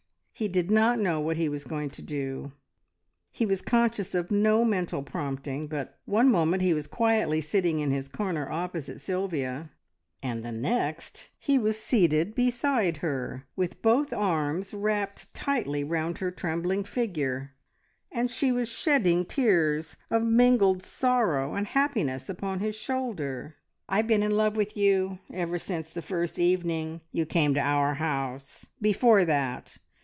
He did not know what he was going to do, he was conscious of no mental prompting, but one moment he was quietly sitting in his corner opposite Sylvia, and the next he was seated beside her, with both arms wrapped tightly round her trembling figure, and she was shedding tears of mingled sorrow and happiness upon his shoulder. "I've been in love with you ever since the first evening you came to our house. Before that!